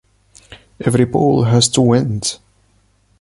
Every pole has two ends.